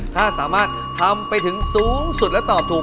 ถ้าสามารถทำไปถึงสูงสุดและตอบถูก